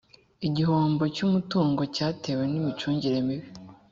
igihombo cy’umutungo cyatewe n’imicungire mibi